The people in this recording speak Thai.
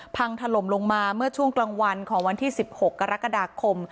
พังถล่มลงมาเมื่อช่วงกลางวันของวันที่๑๖กรกฎาคม